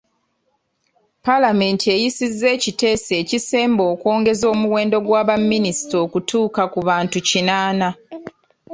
Paalamenti eyisizza ekiteeso ekisemba okwongeza omuwendo gwa baminisita okutuuka ku bantu kinaana.